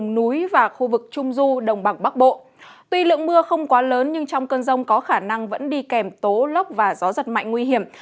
tuy lượng mưa không quá lớn nhưng trong cơn rông có khả năng vẫn đi kèm tố lốc và gió giật mạnh nguy hiểm